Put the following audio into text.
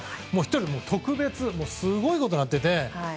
１人、特別すごいことになっていて。